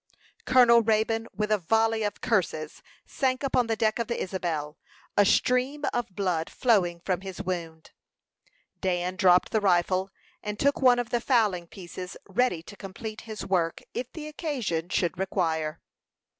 Colonel Raybone, with a volley of curses, sank upon the deck of the Isabel, a stream of blood flowing from his wound. Dan dropped the rifle, and took one of the fowling pieces, ready to complete his work if the occasion should require.